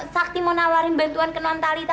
sakti mau nawarin bantuan ke nontalita